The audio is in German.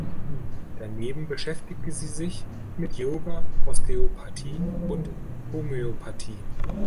Daneben beschäftigte sie sich mit Yoga, Osteopathie und Homöopathie.